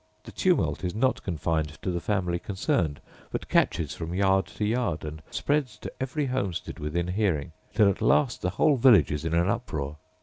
The tumult is not confined to the family concerned, but catches from yard to yard, and spreads to every homestead within hearing, till at last the whole village is in an uproar.